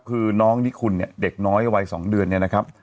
คือน้องนิคุณเนี่ยเด็กน้อยวัย๒เดือนเนี่ยนะครับ